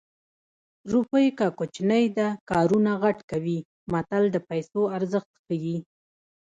روپۍ که کوچنۍ ده کارونه غټ کوي متل د پیسو ارزښت ښيي